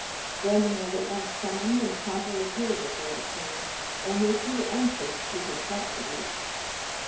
Brandon was at once summoned and promptly appeared before the king, only too anxious to confront the duke.